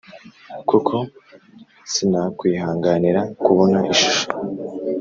kuko sinakwihanganira kubona ishusho